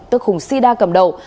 tức khủng sida cầm đầu